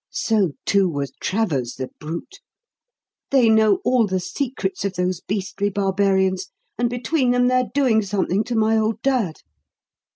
So, too, was Travers, the brute! They know all the secrets of those beastly barbarians, and between them they're doing something to my old dad."